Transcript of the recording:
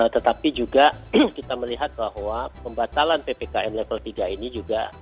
tetapi juga kita melihat bahwa pembatalan ppkm level tiga ini juga